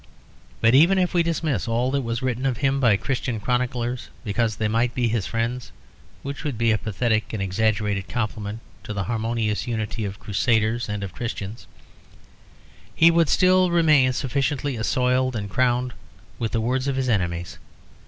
But even if we dismiss all that was written of him by Christian chroniclers because they might be his friends (which would be a pathetic and exaggerated compliment to the harmonious unity of Crusaders and of Christians) he would still remain sufficiently assoiled and crowned with the words of his enemies.